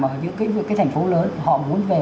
ở những cái thành phố lớn họ muốn về